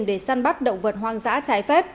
để săn bắt động vật hoang dã trái phép